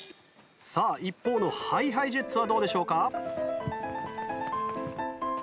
さあ一方のＨｉＨｉＪｅｔｓはどうでしょうか？ＨｉＨｉＪｅｔｓ